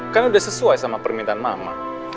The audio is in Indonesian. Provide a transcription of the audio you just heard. kan udah sesuai sama permintaan mama